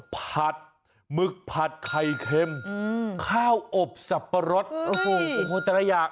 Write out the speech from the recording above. ผัดหมึกผัดไข่เค็มข้าวอบสับปะรดโอ้โหแต่ละอย่าง